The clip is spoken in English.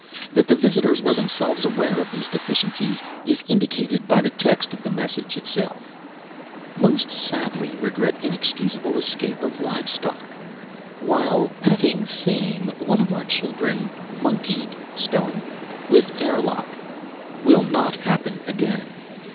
That the visitors were themselves aware of these deficiencies is indicated by the text of the message itself. Most sadly regret inexcusable escape of livestock. While petting same, one of our children monkied (sp?) with airlock. Will not happen again.